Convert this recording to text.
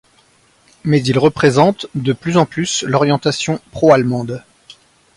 Mais il représente de plus en plus l'orientation pro-allemande.